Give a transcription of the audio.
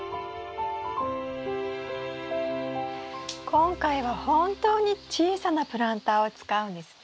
今回は本当に小さなプランターを使うんですね。